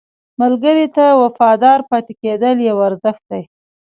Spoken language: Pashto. ملګری ته وفادار پاتې کېدل یو ارزښت دی